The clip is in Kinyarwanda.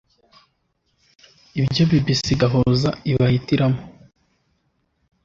Ibyo BBC Gahuza ibahitiramwo